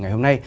ngày hôm nay